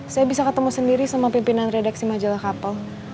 saya bisa ketemu sendiri sama pimpinan redaksi majalah kapal